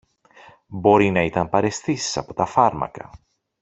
Μπορεί να ήταν παραισθήσεις από τα φάρμακα